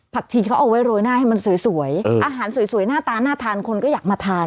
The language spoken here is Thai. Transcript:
ชีเขาเอาไว้โรยหน้าให้มันสวยอาหารสวยหน้าตาน่าทานคนก็อยากมาทาน